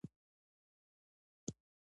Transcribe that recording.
مفعول د فعل سره فعلي ترکیب بشپړوي.